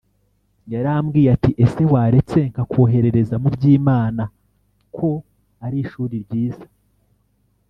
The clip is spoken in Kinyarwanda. yarambwiye ati ese waretse nkakoherereza mu Byimana ko ari ishuli ryiza